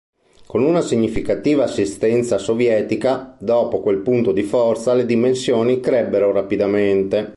Con una significativa assistenza sovietica, dopo quel punto di forza le dimensioni crebbero rapidamente.